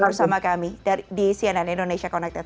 bersama kami di cnn indonesia connected